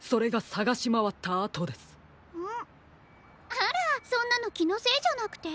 あらそんなのきのせいじゃなくて？